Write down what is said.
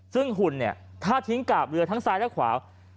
ซึ่งหุ่นเนี่ยถ้าทิ้งกาบเรือทั้งซ้ายและขวา